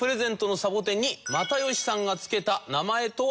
サボテンに又吉さんがつけた名前とは？